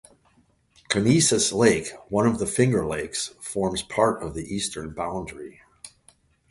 Conesus Lake, one of the Finger Lakes, forms part of the eastern boundary.